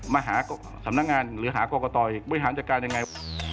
มาหาสำนักงานหรือหากรกตอีกบริหารจัดการยังไง